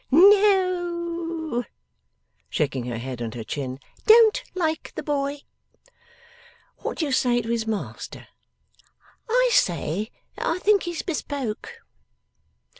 'No o,' shaking her head and her chin. 'Don't like the boy.' 'What do you say to his master?' 'I say that I think he's bespoke.